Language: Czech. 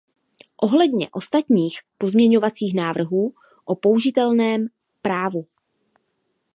Ohledně ostatních pozměňovacích návrhů o použitelném právu.